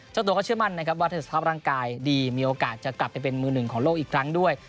เจ้าตัวก็เชื่อมั่นนะครับว่าถ้าสภาพร่างกายดีมีโอกาสจะกลับไปเป็นมือหนึ่งของโลกอีกครั้งด้วย